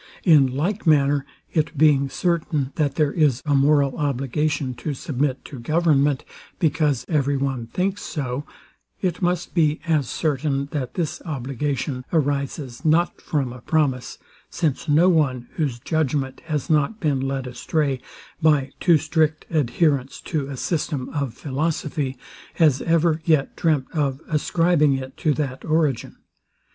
In like manner, it being certain, that there is a moral obligation to submit to government, because every one thinks so; it must be as certain, that this obligation arises not from a promise; since no one, whose judgment has not been led astray by too strict adherence to a system of philosophy, has ever yet dreamt of ascribing it to that origin.